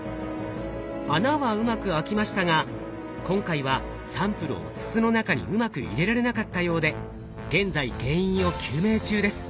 穴はうまく開きましたが今回はサンプルを筒の中にうまく入れられなかったようで現在原因を究明中です。